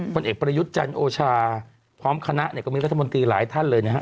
ผลเอกประยุทธ์จันทร์โอชาพร้อมคณะเนี่ยก็มีรัฐมนตรีหลายท่านเลยนะฮะ